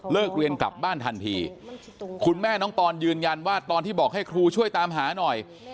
เรียนกลับบ้านทันทีคุณแม่น้องปอนยืนยันว่าตอนที่บอกให้ครูช่วยตามหาหน่อย